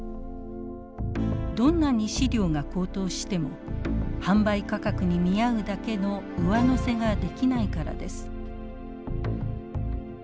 どんなに飼料が高騰しても販売価格に見合うだけの上乗せができないからです。